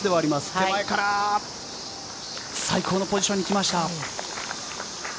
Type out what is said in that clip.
手前から最高のポジションに来ました。